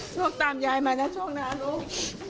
โชคตามยายมานะโชคนะลูก